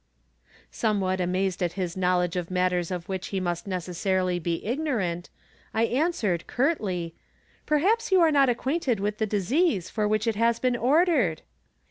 Somewhat amazed at his knowledge of matters of which he must necessarily be ignorant, I an swered, curtly :" Perhaps you are not acquainted with the dis ease for wliich it has been ordered."